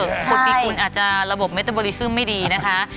คนปีกุลอาจจะระบบเมตบอริซึมไม่ดีนะคะ